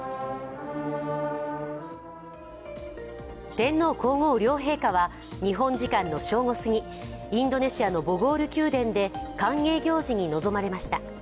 天皇皇后両陛下は日本時間の正午すぎインドネシアのボゴール宮殿で歓迎行事に臨まれました。